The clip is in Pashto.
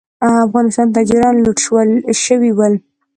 افغانستان تاجران لوټ شوي ول.